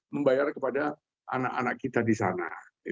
membayar kepada anak anak kita di sana